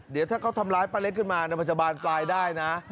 เดี๋ยวถ้าเขาทำร้ายป้าเล็กขึ้นมามันจะบานปลายได้นะ